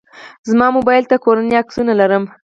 زما موبایل ته کورنۍ عکسونه لرم.